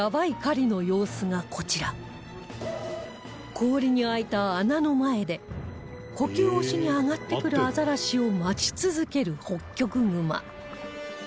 氷に開いた穴の前で呼吸をしに上がってくるアザラシを待ち続けるホッキョクグマ